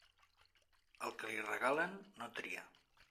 Al que li regalen, no tria.